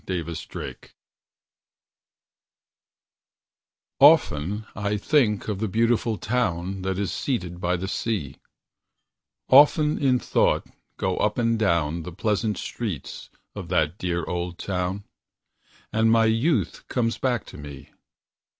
MY LOST YOUTH Often I think of the beautiful town That is seated by the sea; Often in thought go up and down The pleasant streets of that dear old town, And my youth comes back to me.